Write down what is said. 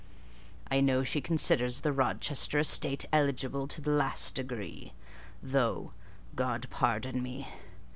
I know she considers the Rochester estate eligible to the last degree; though (God pardon me!)